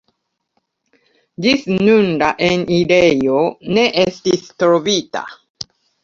Ĝis nun la enirejo ne estis trovita.